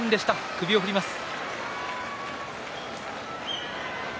首を振ります。